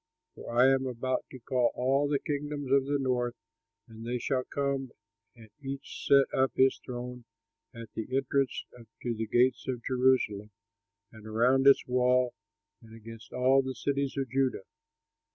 For I am about to call all the kingdoms of the north, and they shall come and each set up his throne at the entrance to the gates of Jerusalem and around its walls and against all the cities of Judah.